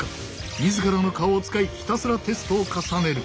自らの顔を使いひたすらテストを重ねる。